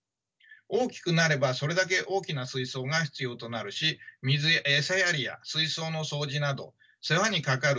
大きくなればそれだけ大きな水槽が必要となるし餌やりや水槽の掃除など世話にかかる時間と労力も増えます。